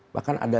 bahkan ada lima